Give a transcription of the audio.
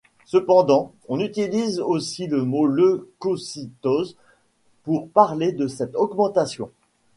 Cependant, on utilise aussi le mot leucocytose pour parler de cette augmentation.